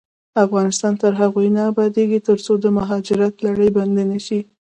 افغانستان تر هغو نه ابادیږي، ترڅو د مهاجرت لړۍ بنده نشي.